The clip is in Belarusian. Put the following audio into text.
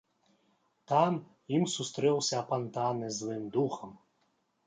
Там ім сустрэўся апантаны злым духам.